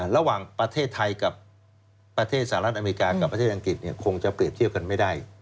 ระหว่างประเทศไทยกับประเทศสหรัฐอเมริกากับประเทศอังกฤษคงจะเปรียบเทียบกันไม่ได้